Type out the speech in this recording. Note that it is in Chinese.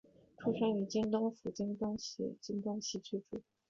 出身于京都府京都市西京区桂。